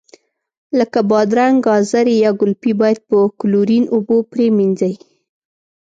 لکه بادرنګ، ګازرې یا ګلپي باید په کلورین اوبو پرېمنځي.